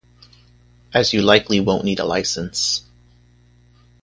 As you likely won't need a license.